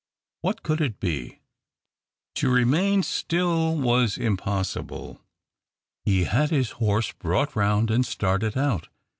What could it be ? To remain still was impossible. He had his horse brought round, and started out.